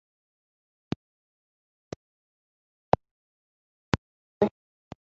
Nashimishijwe cyane no kuba ariwe wahawe